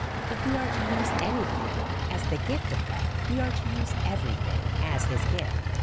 If we are to use any thing as the gift of God, we are to use every thing as his gift.